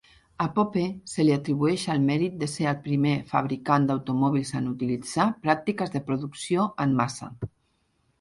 A Pope se li atribueix el mèrit de ser el primer fabricant d'automòbils en utilitzar pràctiques de producció en massa.